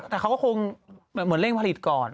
แต่เขาก็คงเหมือนเร่งผลิตก่อน